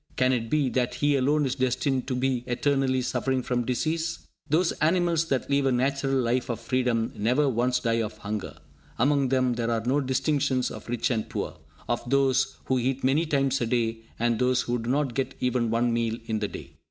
Can it be that he alone is destined to be eternally suffering from disease? Those animals that live a natural life of freedom never once die of hunger. Among them there are no distinctions of rich and poor, of those who eat many times a day, and those who do not get even one meal in the day.